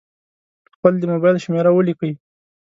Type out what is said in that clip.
خپل د مبایل شمېره ولیکئ.